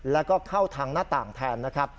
แล้วก็เข้าทางหน้าต่างแทนนะครับ